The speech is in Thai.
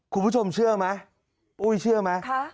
คุณผู้ชมเชื่อไหมปุ้ยเชื่อไหม